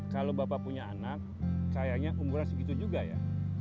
kalau bapak punya anak kayaknya umurnya segitu juga ya